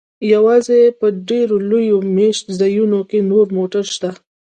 یوازې په ډیرو لویو میشت ځایونو کې نور موټر شته